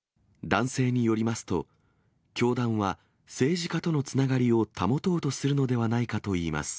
男性によりますと、教団は政治家とのつながりを保とうとするのではないかといいます。